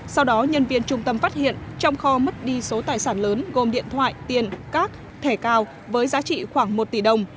sau đó nhân viên trung tâm phát hiện trong kho mất đi số tài sản lớn gồm điện thoại tiền các thẻ cao với giá trị khoảng một tỷ đồng